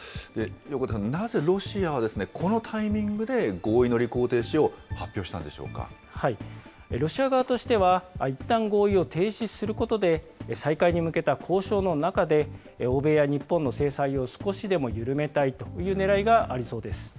横田さん、なぜロシアはこのタイミングで、合意の履行停止を発表したんでしロシア側としては、いったん合意を停止することで、再開に向けた交渉の中で、欧米や日本の制裁を少しでも緩めたいというねらいがありそうです。